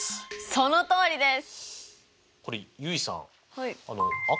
そのとおりです。